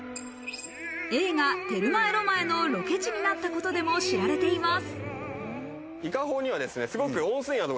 映画『テルマエ・ロマエ』のロケ地になったことでも知られています。